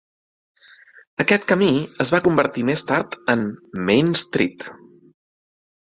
Aquest camí es va convertir més tard en "Main Street".